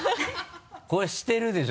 これしてるでしょ！